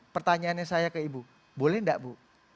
pertanyaannya saya ke ibu boleh nggak bu